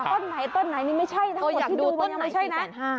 ต้นไหนต้นไหนนี่ไม่ใช่ทั้งหมดที่ดูต้นยังไม่ใช่นะ